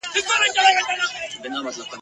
چي به چا ورکړل لوټونه غیرانونه..